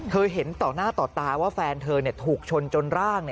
เห็นต่อหน้าต่อตาว่าแฟนเธอถูกชนจนร่าง